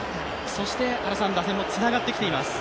そして打線もつながってきています。